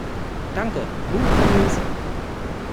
Danke. Nun übernehmen Sie.